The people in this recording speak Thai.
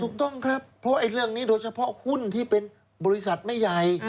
ถูกต้องครับเพราะเรื่องนี้โดยเฉพาะหุ้นที่เป็นบริษัทไม่ใหญ่